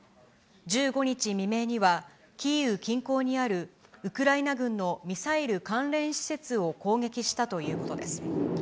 １５日未明には、キーウ近郊にあるウクライナ軍のミサイル関連施設を攻撃したということです。